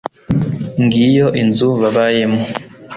ngiyo inzu babayemo